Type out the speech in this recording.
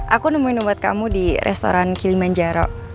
aku nemuin obat kamu di restoran kilimanjaro